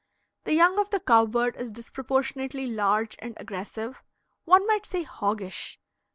The young of the cow bird is disproportionately large and aggressive, one might say hoggish.